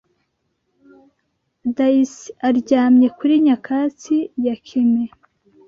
Daisy aryamye kuri nyakatsi yikime